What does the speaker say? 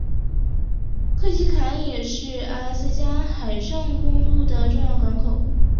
克奇坎也是阿拉斯加海上公路的重要港口。